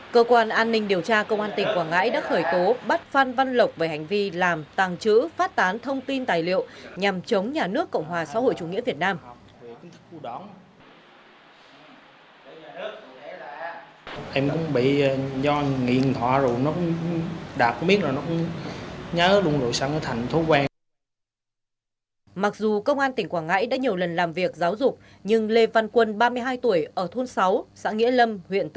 cơ quan an ninh điều tra công an tỉnh quảng ngãi đã khởi tố bắt phan văn lộc về hành vi làm tàng trữ phát tán thông tin tài liệu nhằm chống nhà nước cộng hòa xã hội chủ nghĩa việt nam